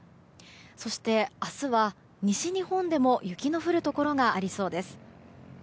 そして明日は、西日本でも雪の降るところがありそうです。